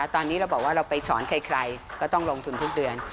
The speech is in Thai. ตอนนี้เราบอกว่าเราไปสอนใครก็ต้องลงทุนทุกเดือน